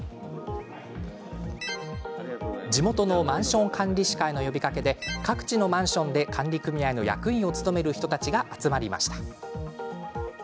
地元のマンション管理士会の呼びかけで各地のマンションで管理組合の役員を務める人たちが集まりました。